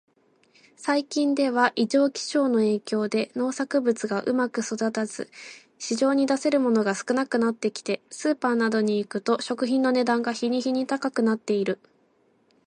最近では、異常気象の影響で農作物がうまく育たず、市場に出せるものが少なくなってきて、スーパーなどに行くと食品の値段が日に日に高くなっている。